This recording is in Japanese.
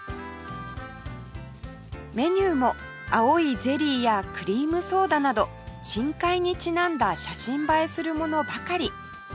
メニューも青いゼリーやクリームソーダなど深海にちなんだ写真映えするものばかり